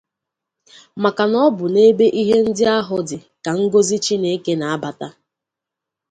maka na ọ bụ n'ebe ihe ndị ahụ dị ka ngọzị Chineke na-abata.